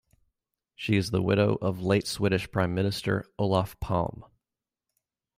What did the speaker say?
She is the widow of late Swedish Prime Minister Olof Palme.